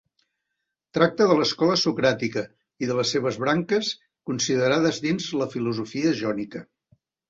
Tracta de l'escola socràtica i de les seves branques considerades dins la filosofia jònica.